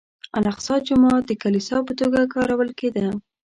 الاقصی جومات د کلیسا په توګه کارول کېده.